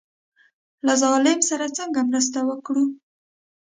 له ظالم سره څرنګه مرسته وکړو.